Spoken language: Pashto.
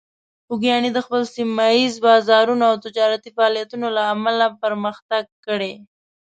خوږیاڼي د خپل سیمه ییز بازارونو او تجارتي فعالیتونو له امله پرمختګ کړی.